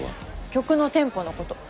曲のテンポのこと。